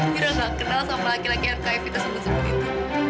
mira gak kenal sama laki laki yang kaya evita sebut sebut itu